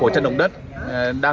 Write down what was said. nạn nhân của những trận đồng đất